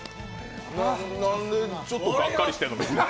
なんでちょっとがっかりしてんの？